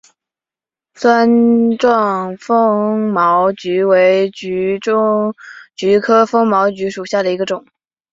钻状风毛菊为菊科风毛菊属下的一个种。